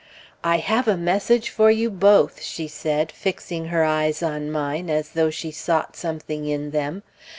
"I have a message for you both," she said, fixing her eyes on mine as though she sought something in them.